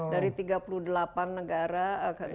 dari tiga puluh delapan negara kebanyakan menjadi tiga puluh delapan